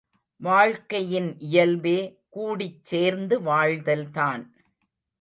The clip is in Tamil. வாழ்க்கையின் இயல்பே கூடிச்சேர்ந்து வாழ்தல்தான்.